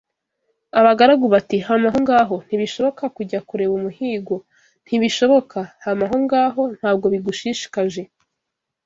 Abagaragu bati Hama aho ngaho ntibishoboka kujya kureba umuhigo ntibishoboka hama aho ngaho ntabwo bigushishikaje